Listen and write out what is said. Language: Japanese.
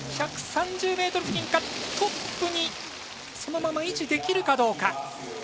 １３０ｍ付近か、トップにそのまま維持できるかどうか。